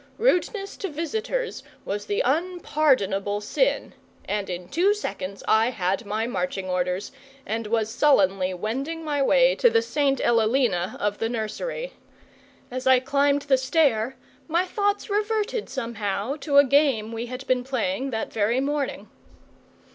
Rudeness to visitors was the unpardonable sin, and in two seconds I had my marching orders, and was sullenly wending my way to the St. Elelena of the nursery. As I climbed the stair, my thoughts reverted somehow to a game we had been playing that very morning.